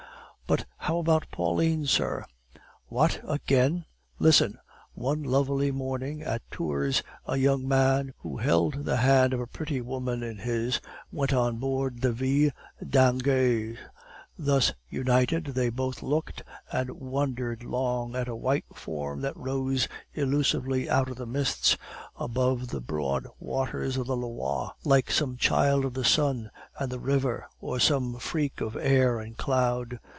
"But how about Pauline, sir?" "What, again? Listen. One lovely morning at Tours a young man, who held the hand of a pretty woman in his, went on board the Ville d'Angers. Thus united they both looked and wondered long at a white form that rose elusively out of the mists above the broad waters of the Loire, like some child of the sun and the river, or some freak of air and cloud.